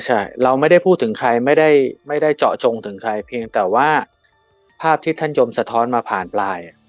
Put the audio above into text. ใช่เราไม่ได้พูดถึงใครไม่ได้ไม่ได้เจาะจงถึงใครเพียงแต่ว่าภาพที่ท่านยมสะท้อนมาผ่านปลาย